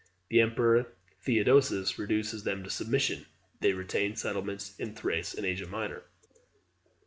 The emperor Theodosius reduces them to submission. They retain settlements in Thrace and Asia Minor.